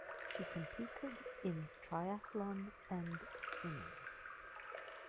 She competed in triathlon and swimming.